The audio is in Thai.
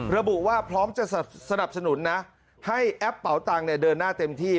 ระบุว่าพร้อมจะสนับสนุนนะให้แอปเป๋าตังค์เดินหน้าเต็มที่